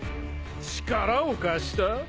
力を貸した？